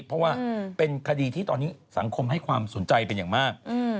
เพราะว่าเป็นคดีที่ตอนนี้สังคมให้ความสนใจเป็นอย่างมาก